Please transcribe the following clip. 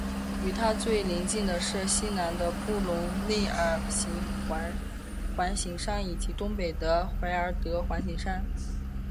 与它最邻近的是西南的布隆内尔环形山以及东北的怀尔德环形山。